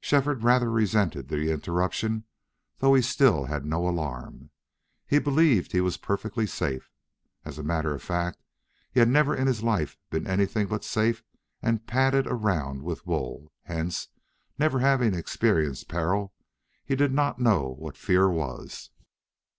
Shefford rather resented the interruption, though he still had no alarm. He believed he was perfectly safe. As a matter of fact, he had never in his life been anything but safe and padded around with wool, hence, never having experienced peril, he did not know what fear was.